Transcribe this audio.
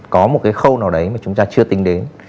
có một khâu nào đấy mà chúng ta chưa tin đến